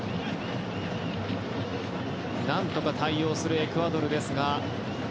何とか対応するエクアドルですが。